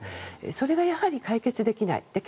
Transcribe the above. それがやはり解決できない。